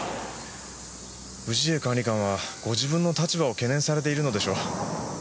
氏家管理官はご自分の立場を懸念されているのでしょう。